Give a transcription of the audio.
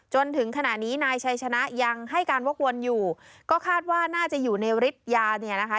จนถึงขณะนี้นายชัยชนะยังให้การวกวนอยู่ก็คาดว่าน่าจะอยู่ในฤทธิ์ยาเนี่ยนะคะ